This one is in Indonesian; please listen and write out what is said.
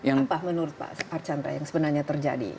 apa menurut pak archandra yang sebenarnya terjadi